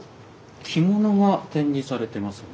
着物が展示されてますね。